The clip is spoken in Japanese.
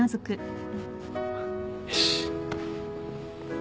よし。